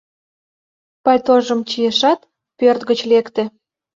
Пальтожым чийышат, пӧрт гыч лекте.